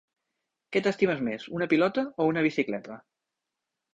Què t'estimes més: una pilota o una bicicleta?